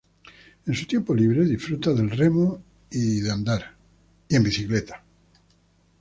En su tiempo libre, disfruta del remo y andar en bicicleta.